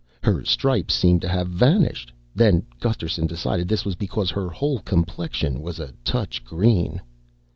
Her stripes seemed to have vanished; then Gusterson decided this was because her whole complexion was a touch green.